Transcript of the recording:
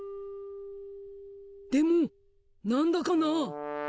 でも何だかなあ。